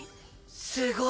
すごい！